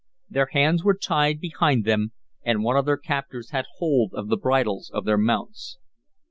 Their hands were tied behind them, and one of their captors had hold of the bridles of their mounts.